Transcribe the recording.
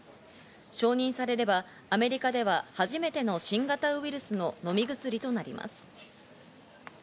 承認されれば、アメリカでは初めての新型ウイルスの飲み薬となります。